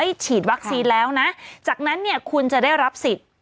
ฉีดวัคซีนแล้วนะจากนั้นเนี่ยคุณจะได้รับสิทธิ์